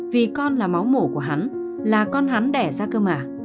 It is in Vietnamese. vì con là máu mổ của hắn là con hắn đẻ ra cơ mà